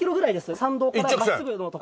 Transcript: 参道から真っすぐの所。